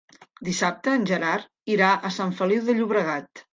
Dissabte en Gerard irà a Sant Feliu de Llobregat.